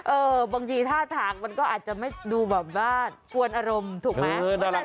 บางทีท่าทางมันก็อาจจะไม่ดูแบบว่าชวนอารมณ์ถูกไหม